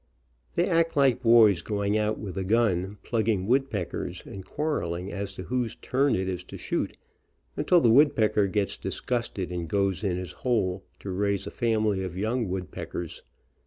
They act like boys going out with a gun plugging woodpeckers, and quarreling as to whose turn it is to shoot, until the woodpecker gets dis gusted and goes in his hole to raise a family of young 12 THE BOERS AND THE FILIPINOS woodpeckers.